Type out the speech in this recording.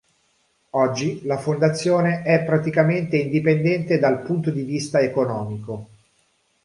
Oggi la fondazione è praticamente indipendente dal punto di vista economico.